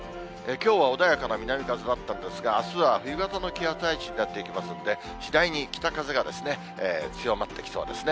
きょうは穏やかな南風だったんですが、あすは冬型の気圧配置になっていきますので、次第に北風が強まってきそうですね。